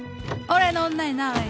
「俺の女になれ」